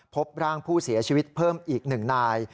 พบร่างผู้เสียชีวิตเพิ่มอีก๑นาย